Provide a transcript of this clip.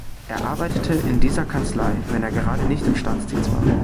Er arbeitete in dieser Kanzlei, wenn er gerade nicht im Staatsdienst war.